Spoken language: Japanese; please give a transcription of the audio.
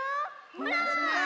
ほら！